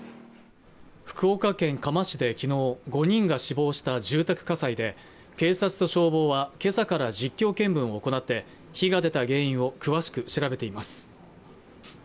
福岡県嘉麻市できのう５人が死亡した住宅火災で警察と消防はけさから実況見分を行って火が出た原因を詳しく調べています